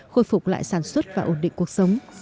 khôi phục lại sản xuất và ổn định cuộc sống